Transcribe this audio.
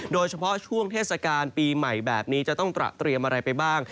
โดยเฉพาะช่วงเทศกาลปีใหม่แบบนี้จะต้องตระเตรียมอะไรไปบ้าง